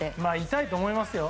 痛いと思いますよ。